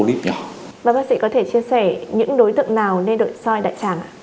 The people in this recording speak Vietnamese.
bác sĩ có thể chia sẻ những đối tượng nào nên đổi soi đại tràng